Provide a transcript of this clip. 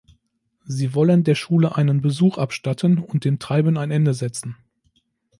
Sie wollen der Schule einen Besuch abstatten und dem Treiben ein Ende setzen.